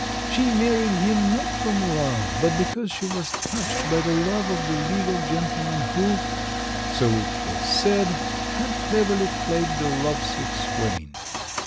She married him not from love, but because she was touched by the love of the legal gentleman who, so it was said, had cleverly played the love sick swain.